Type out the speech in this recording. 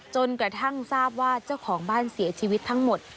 จนกระทั่งทราบว่าเจ้าของบ้านเสียชีวิตทั้งหมด